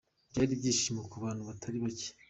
Byari ibyishimo ku bantu batari bake.